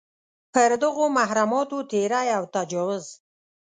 پر دغو محرماتو تېری او تجاوز.